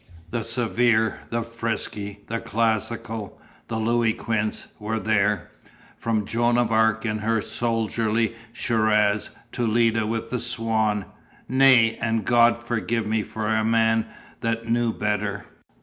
The severe, the frisky, the classical, the Louis Quinze, were there from Joan of Arc in her soldierly cuirass to Leda with the swan; nay, and God forgive me for a man that knew better!